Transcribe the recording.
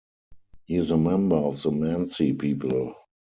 He is a member of the Mansi people.